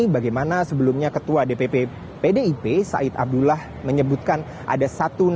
bagaimana sebelumnya ketua dpp pdip said abdullah menyebutkan ada satu nama